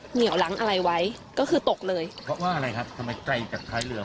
เหนียวหลังอะไรไว้ก็คือตกเลยเพราะว่าอะไรครับทำไมไกลจากท้ายเรือ